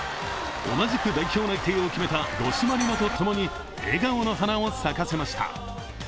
同じく代表内定を決めた五島莉乃とともに、笑顔の花を咲かせました。